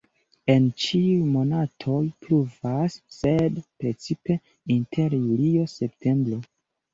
En ĉiuj monatoj pluvas, sed precipe inter julio-septembro.